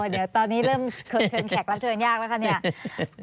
เดี๋ยวตอนนี้เริ่มเชิญแขกรับเชิญยากแล้วคะเนี่ย